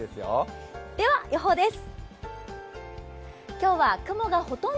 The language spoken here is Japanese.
では予報です。